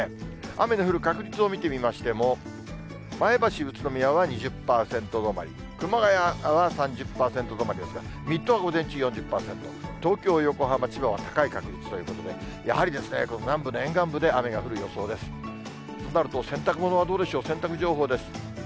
雨の降る確率を見てみましても、前橋、宇都宮は２０％止まり、熊谷は３０％止まりですが、水戸が午前中４０％、東京、横浜、千葉は高い確率ということで、やはり南部の沿岸部で雨が降る予想です。となると洗濯物はどうでしょう、洗濯情報です。